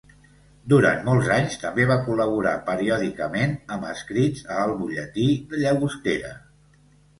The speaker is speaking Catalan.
Durant molts anys també va col·laborar periòdicament amb escrits a El Butlletí de Llagostera.